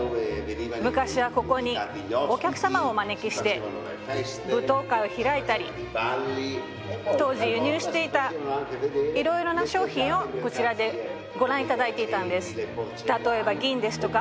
昔は、ここにお客様をお招きして舞踏会を開いたり当時、輸入していたいろいろな商品をこちらでご覧いただいていたんです。